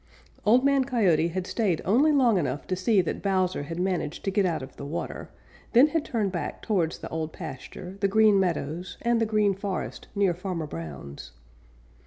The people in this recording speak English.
Old Man Coyote had stayed only long enough to see that Bowser had managed to get out of the water, then had turned back towards the Old Pasture, the Green Meadows and the Green Forest near Farmer Brown's.